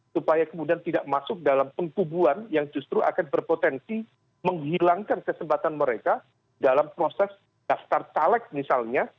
supaya kemudian tidak masuk dalam pengkubuan yang justru akan berpotensi menghilangkan kesempatan mereka dalam proses daftar caleg misalnya